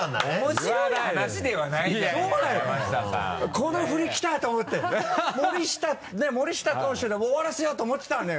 「この振り来た！」と思って森下投手でもう終わらせようと思ってたんだよ。